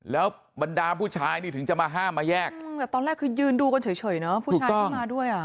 แล้วบรรดาผู้ชายนี่ถึงจะมาห้ามมาแยกแต่ตอนแรกคือยืนดูกันเฉยเนอะผู้ชายที่มาด้วยอ่ะ